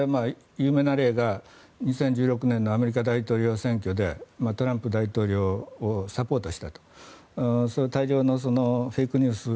有名な例が２０１６年のアメリカ大統領選挙でトランプ大統領をサポートしたと大量のフェイクニュース